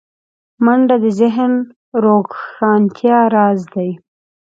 منډه د ذهن روښانتیا راز دی